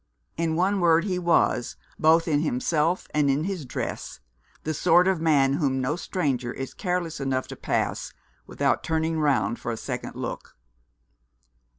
In one word he was, both in himself and in his dress, the sort of man whom no stranger is careless enough to pass without turning round for a second look.